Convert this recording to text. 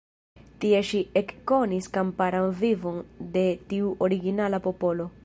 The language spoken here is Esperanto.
Tie ŝi ekkonis kamparan vivon de tiu originala popolo.